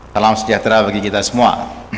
salam sejahtera bagi kita semua